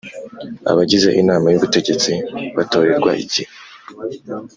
Abagize inama y ubutegetsi batorerwa igihe